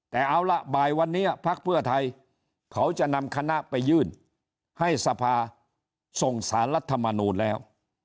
แต่เอาล่ะบ่ายวันนี้พักเพื่อไทยเขาจะนำคณะไปยื่นให้สภาส่งสารรัฐมนูลแล้ว